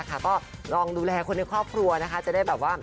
แกเป็นคนหัวเราะอร่อยเนอะ